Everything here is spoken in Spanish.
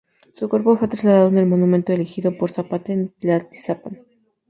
Su cuerpo fue trasladado en el monumento erigido por Zapata en Tlaltizapán.